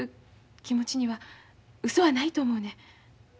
気持ちにはうそはないと思うねん。